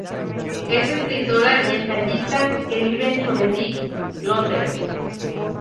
Es escritora y ensayista, que vive en Shoreditch, Londres.